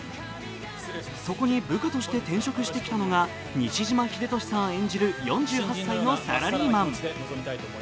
そこに部下として転職してきたのが西島秀俊さん演じる４８歳のサラリーマン。